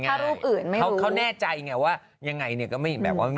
ถ้ารูปอื่นไม่รู้เขาแน่ใจไงว่ายังไงก็ไม่เห็นแบบว่า